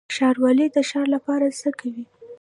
ښاروالي د ښار لپاره څه کوي؟